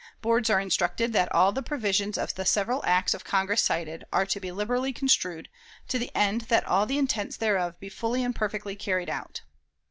"Boards are instructed that all the provisions of the several acts of Congress cited are to be liberally construed, to the end that all the intents thereof be fully and perfectly carried out.